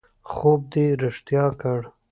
خوب دې رښتیا کړ